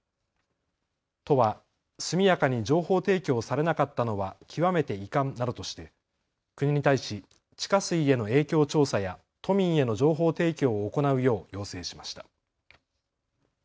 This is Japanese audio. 都は速やかに情報提供されなかったのは極めて遺憾などとして国に対し地下水への影響調査や都民への情報提供を行うよう要請しました。